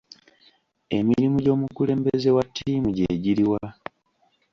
Emirimu gy'omukulembeze wa ttiimu gye giriwa?